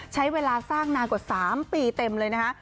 ใช้เวลาสร้างนานกว่า๓ปีเต็มเลยนะคะ